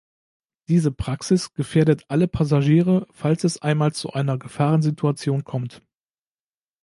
Diese Praxis gefährdet alle Passagiere, falls es einmal zu einer Gefahrensituation kommt.